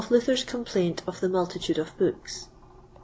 Of Luther's Complaint of the Multitude of Books.